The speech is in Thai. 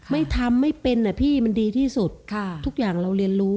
ไม่ทำไม่เป็นอ่ะพี่มันดีที่สุดค่ะทุกอย่างเราเรียนรู้